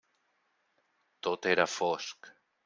Tot era fosc.